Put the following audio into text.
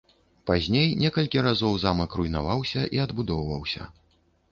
Пазней некалькі разоў замак руйнаваўся і адбудоўваўся.